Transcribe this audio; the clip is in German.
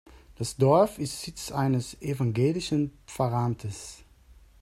Das Dorf ist Sitz eines evangelischen Pfarramtes.